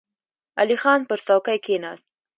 علی خان پر څوکۍ کېناست.